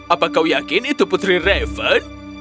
apakah kau yakin itu putri revan